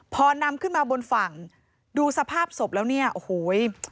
พอนำขึ้นมาบนฝั่งดูสภาพศพแล้วเนี่ยโอ้โห